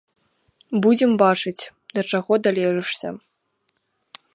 Будзем бачыць, да чаго далежышся.